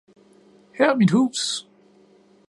Her er mit hus!